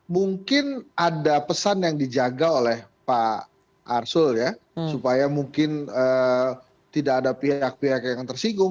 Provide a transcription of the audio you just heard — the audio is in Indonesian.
mungkin ada pesan yang dijaga oleh pak arsul ya supaya mungkin tidak ada pihak pihak yang tersinggung